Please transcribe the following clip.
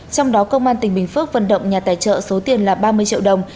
trong đó công an tỉnh bình phước vận động nhà tài trợ số tiền là ba mươi triệu đồng